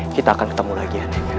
kita akan ketemu lagi